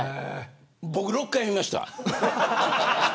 僕、６回見ました。